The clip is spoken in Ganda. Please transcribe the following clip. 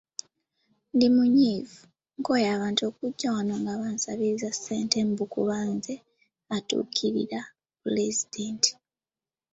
Ndi munyiivu, nkooye abantu okujja wano nga bansabiriza ssente mbu kuba nze atuukirira pulezidenti.